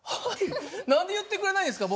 何で言ってくれないんですか？